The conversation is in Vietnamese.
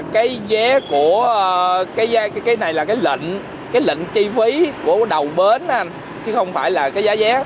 cái vé này là cái lệnh chi phí của đầu bến chứ không phải là cái giá vé